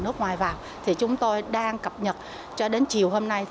từ nước ngoài vào chúng tôi đang cập nhật cho đến chiều hôm nay